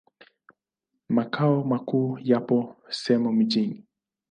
Makao makuu yapo Same Mjini.